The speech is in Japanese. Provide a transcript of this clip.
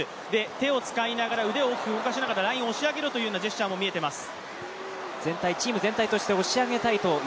手を使いながら、腕を大きく使いながら、ラインを押し上げろというようなジェスチャーを見せています。